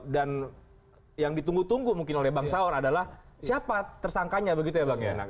dan yang ditunggu tunggu mungkin oleh bang saur adalah siapa tersangkanya begitu ya bang yena